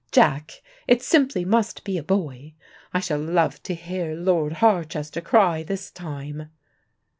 Jack, it simply must be a boy: I shall love to hear Lord Harchester cry this time."